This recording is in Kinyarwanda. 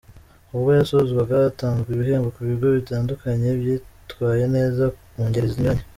Ubwo yasozwaga hatanzwe ibihembo ku bigo bitandukanye byitwaye neza mu ngeri zinyuranye.